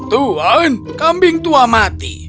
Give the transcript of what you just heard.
tuhan kambing tua mati